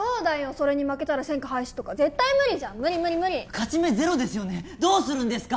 それに負けたら専科廃止とか絶対無理じゃん無理無理無理勝ち目ゼロですよねどうするんですか！